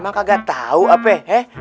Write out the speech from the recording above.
emang kagak tau apa ya